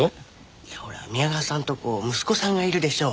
いやほら宮川さんとこ息子さんがいるでしょ。